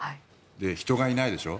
人がいないでしょ。